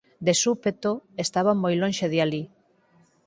De súpeto, estaba moi lonxe de alí.